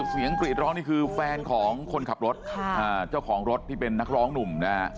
เสียงคลีดร้องของเจ้าของรถที่เป็นนักร้องหนุ่ม